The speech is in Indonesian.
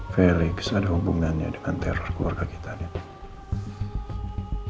felix ada hubungannya dengan teror keluarga kita nen